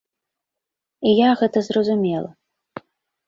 І я гэта зразумела.